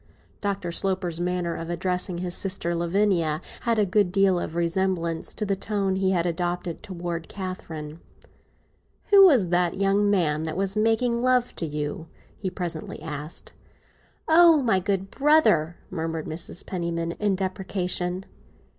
Dr. Sloper's manner of addressing his sister Lavinia had a good deal of resemblance to the tone he had adopted towards Catherine. "Who was the young man that was making love to you?" he presently asked. "Oh, my good brother!" murmured Mrs. Penniman, in deprecation.